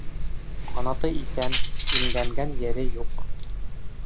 Ҡанаты иҫән, имгәнгән ере юҡ.